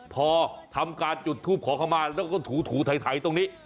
พอทำการจุดทูปขอเข้ามาแล้วก็ถูไถตรงนี้